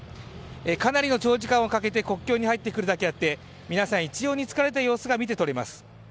かなりの長時間をかけて国境に入ってくるだけあって皆さん、一様に疲れた様子が見てとれます。